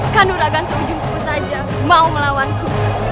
kanuragan seujungku saja mau melawanku